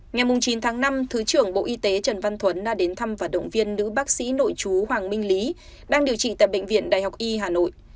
ngày chín tháng năm thứ trưởng bộ y tế trần văn thuấn đã đến thăm và động viên nữ bác sĩ nội chú hoàng minh lý đang điều trị tại bệnh viện đại học y hà nội